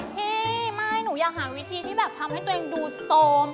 ที่ไม่หนูอยากหาวิธีที่แบบทำให้ตัวเองดูโซม